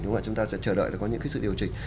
chúng ta sẽ chờ đợi có những sự điều chỉnh